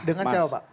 dengan siapa pak